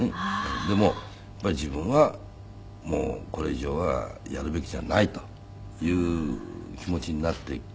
でもやっぱり自分はもうこれ以上はやるべきじゃないという気持ちになって。